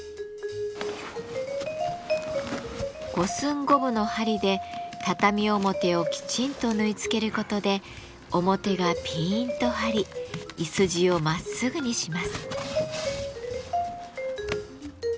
五寸五分の針で畳表をきちんと縫い付けることで表がピンと張りいすじをまっすぐにします。